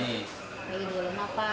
ini dulu apa